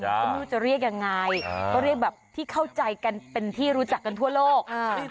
ก็ไม่รู้จะเรียกยังไงก็เรียกแบบที่เข้าใจกันเป็นที่รู้จักกันทั่วโลก